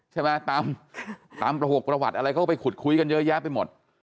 ใช่ไหมตามประหวกประหวัติอะไรก็ไปขุดคุยกันเยอะแยะไปหมด